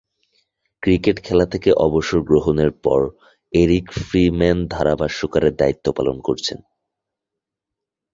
Cricket খেলা থেকে অবসর গ্রহণের পর এরিক ফ্রিম্যান ধারাভাষ্যকারের দায়িত্ব পালন করেছেন।